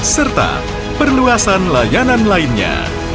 serta perluasan layanan lainnya